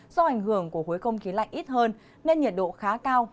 do ảnh hưởng của khối không khí lạnh ít hơn nên nhiệt độ khá cao